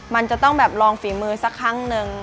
มันจะต้องแบบลองฝีมือสักครั้งหนึ่ง